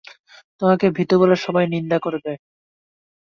তোমাকে ভীতু বলে সবাই নিন্দে করবে।